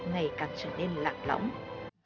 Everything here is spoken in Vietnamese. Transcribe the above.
ngày càng trở nên lạc lõng và buồn dỡ